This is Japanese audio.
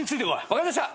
分かりました！